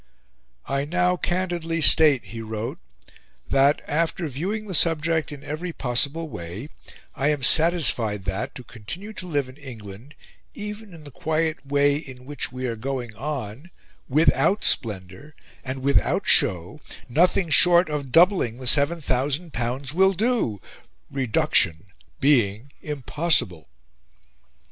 "I now candidly state," he wrote, "that, after viewing the subject in every possible way, I am satisfied that, to continue to live in England, even in the quiet way in which we are going on, WITHOUT SPLENDOUR, and WITHOUT SHOW, NOTHING SHORT OF DOUBLING THE SEVEN THOUSAND POUNDS WILL DO, REDUCTION BEING IMPOSSIBLE."